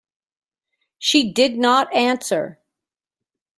She did not answer.